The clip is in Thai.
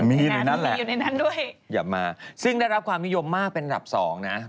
มีอยู่ในนั้นแหละอย่ามาซึ่งได้รับความนิยมมากเป็นอันดับ๒นะ